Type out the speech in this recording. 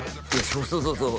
そうそうそうそう